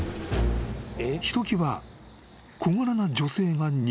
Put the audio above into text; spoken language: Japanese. ［ひときわ小柄な女性が入学した］